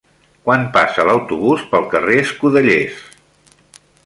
Quan passa l'autobús pel carrer Escudellers?